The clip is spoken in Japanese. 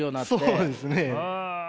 そうですね。